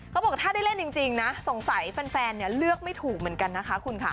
เขาบอกถ้าได้เล่นจริงนะสงสัยแฟนเลือกไม่ถูกเหมือนกันนะคะคุณค่ะ